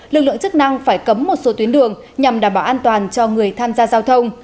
lực lượng chức năng phải cấm một số tuyến đường nhằm đảm bảo an toàn cho người tham gia giao thông